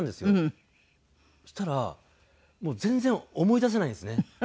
そしたらもう全然思い出せないんですね